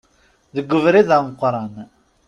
Deg ubrid ameqqran.